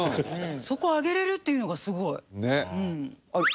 そこ挙げれるっていうのがすごいあれ？